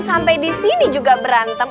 sampai disini juga berantem